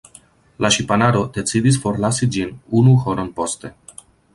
La ŝipanaro decidis forlasi ĝin unu horon poste.